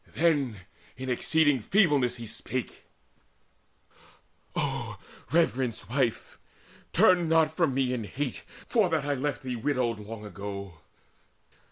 Then in exceeding feebleness he spake: "O reverenced wife, turn not from me in hate For that I left thee widowed long ago!